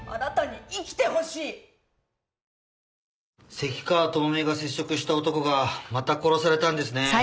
関川朋美が接触した男がまた殺されたんですね。